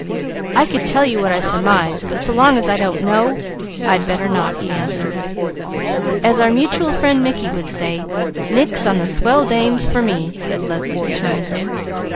"I could tell you what I surmise, but so long as I don't know I'd better not," he answered. "As our mutual friend Mickey would say, 'Nix on the Swell Dames,' for me!" said Leslie determinedly.